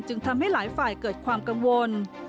ทำให้หลายฝ่ายเกิดความกังวล